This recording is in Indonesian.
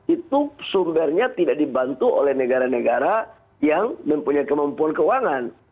itu sumbernya tidak dibantu oleh negara negara yang mempunyai kemampuan keuangan